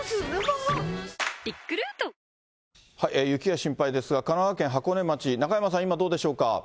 雪が心配ですが、神奈川県箱根町、中山さん、今、どうでしょうか。